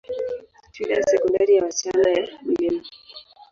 Shule ya Sekondari ya wasichana ya Mt.